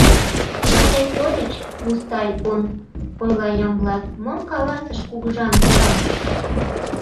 — Ынде кольыч, Мустай он, — ойла Ямблат, — мом каласыш кугыжан тӧрат?